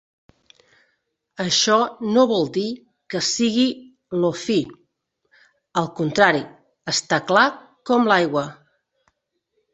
Això no vol dir que sigui lo-fi; al contrari, està clar com l'aigua.